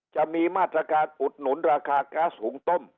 จะมีมาตรการอุดหนุนราคาเกี่ยว